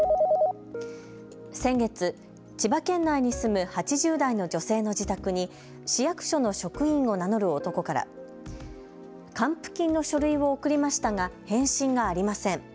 先月、千葉県内に住む８０代の女性の自宅に市役所の職員を名乗る男から還付金の書類を送りましたが返信がありません。